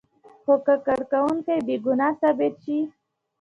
هو که کارکوونکی بې ګناه ثابت شي.